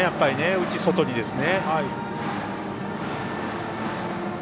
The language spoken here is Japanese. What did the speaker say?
内、外にですね。